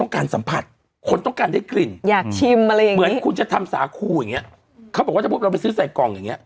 เขาบอกว่าถ้าพบเราไปซื้อใส่กล่องอย่างเงี้ย